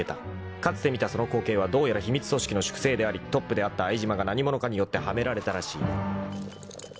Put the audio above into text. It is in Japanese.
［かつて見たその光景はどうやら秘密組織の粛清でありトップであった相島が何者かによってはめられたらしい］